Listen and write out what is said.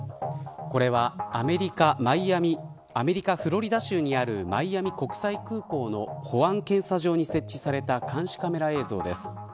これはアメリカ・フロリダ州にあるマイアミ国際空港の保安検査場に設置された監視カメラ映像です。